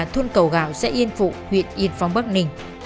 thôn cầu gạo xã yên phụ huyện yên phong bắc ninh